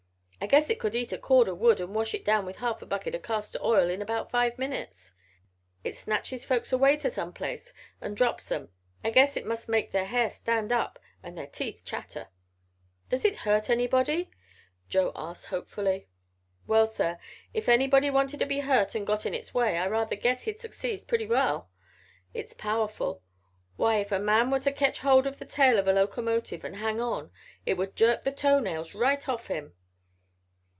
I guess it could eat a cord o' wood and wash it down with half a bucket o' castor oil in about five minutes. It snatches folks away to some place and drops 'em. I guess it must make their hair stand up and their teeth chatter." "Does it hurt anybody?" Joe asked hopefully. "Well, sir, if anybody wanted to be hurt and got in its way, I rather guess he'd succeed purty well. It's powerful. Why, if a man was to ketch hold of the tail of a locomotive, and hang on, it would jerk the toe nails right off him."